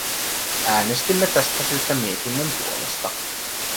Äänestimme tästä syystä mietinnön puolesta.